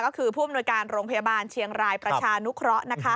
ก็คือผู้อำนวยการโรงพยาบาลเชียงรายประชานุเคราะห์